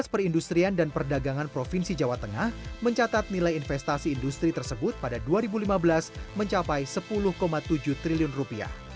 perindustrian dan perdagangan provinsi jawa tengah mencatat nilai investasi industri tersebut pada dua ribu lima belas mencapai sepuluh tujuh triliun rupiah